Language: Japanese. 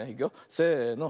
せの。